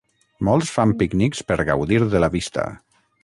Molts fan pícnics per gaudir de la vista.